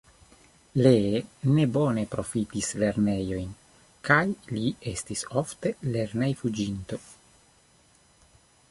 Lee ne bone profitis lernejojn, kaj li estis ofte lernej-fuĝinto.